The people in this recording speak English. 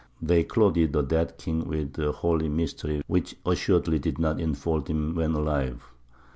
They clothed the dead king with a holy mystery which assuredly did not enfold him when alive.